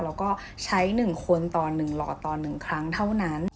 แล้วก็ใช้๑คนต่อ๑หลอดต่อ๑ครั้งเท่านั้น